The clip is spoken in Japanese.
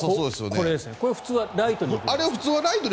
これ、普通はライトに。